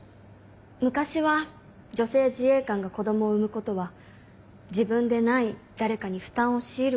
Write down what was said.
昔は女性自衛官が子供を産むことは自分でない誰かに負担を強いることだった。